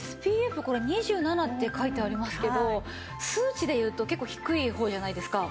ＳＰＦ２７って書いてありますけど数値でいうと結構低い方じゃないですか。